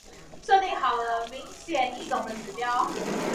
設定了明顯易懂的指標